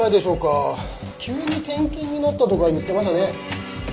急に転勤になったとか言ってましたね。